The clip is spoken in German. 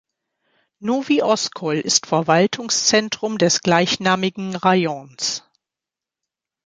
Nowy Oskol ist Verwaltungszentrum des gleichnamigen Rajons.